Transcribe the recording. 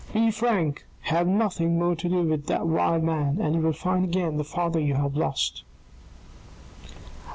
Be frank, have nothing more to do with the vile man, and you will find again the father you have lost."